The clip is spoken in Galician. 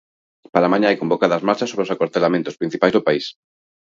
Para mañá hai convocadas marchas sobre os acuartelamentos principais do país.